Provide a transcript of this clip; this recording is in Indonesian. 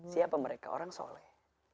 siapa mereka orang soleh